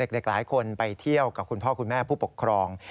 เด็กหลายคนไปเที่ยวกับคุณพ่อคุณแม่ผู้ปกครอง